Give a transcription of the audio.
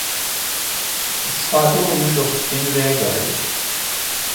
İstifadə olunmuş oksigen ürəyə qayıdır.